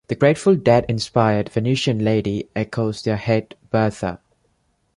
The Grateful Dead-inspired "Venutian Lady" echoes their hit "Bertha".